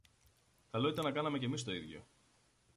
Καλό ήταν να κάναμε και ‘μεις το ίδιο.